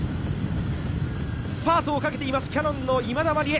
スパートをかけています、キヤノンの今田麻里絵。